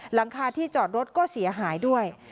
หลังคาที่จอดรถก็เสียหายด้วย